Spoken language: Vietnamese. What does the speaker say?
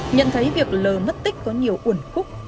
nhận thấy việc lờ mất tích có nhiều uẩn khúc